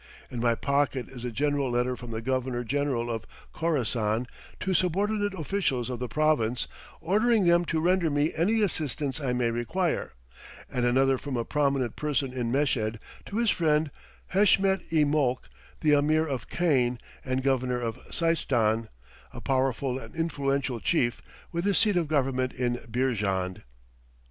In my pocket is a general letter from the Governor General of Khorassan to subordinate officials of the province, ordering them to render me any assistance I may require, and another from a prominent person in Meshed to his friend Heshmet i Molk, the Ameer of Kain and Governor of Seistan, a powerful and influential chief, with his seat of government at Beerjand.